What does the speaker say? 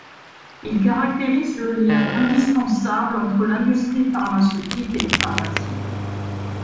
Il caractérise le lien indispensable entre l’industrie pharmaceutique et les pharmaciens.